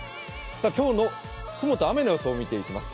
今日の雲と雨の予想を見てきます。